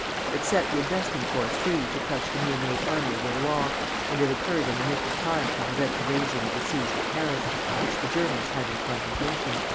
It set the investing force free to crush the new made Army of the Loire, and it occurred in the nick of time to prevent the raising of the siege of Paris, which the Germans had in contemplation."